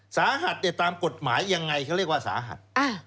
สาหัสตามกฎหมายยังไงเขาเรียกว่าสาหัส